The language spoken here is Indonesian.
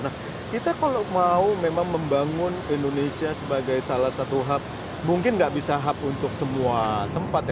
nah kita kalau mau memang membangun indonesia sebagai salah satu hub mungkin nggak bisa hub untuk semua tempat ya